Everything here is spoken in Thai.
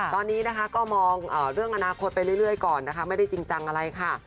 ตอนนี้นะคะก็มองเรื่องอนาคตไปเรื่อยก่อนนะคะไม่ได้จริงจังอะไรค่ะ